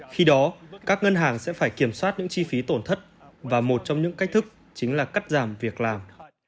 khi đó các ngân hàng sẽ phải kiểm soát những chi phí tổn thất và một trong những cách thức chính là cắt giảm việc làm